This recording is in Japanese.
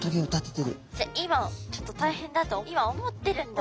今ちょっと大変だと今思ってるんだ。